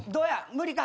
無理か？